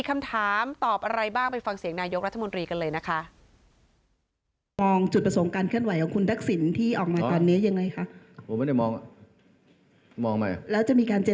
คำถามตอบอะไรบ้างไปฟังเสียงนายกรัฐมนตรีกันเลยนะคะ